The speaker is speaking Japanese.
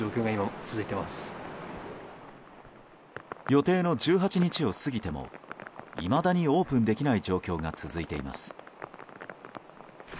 予定の１８日を過ぎてもいまだにオープンできない状況が続いています。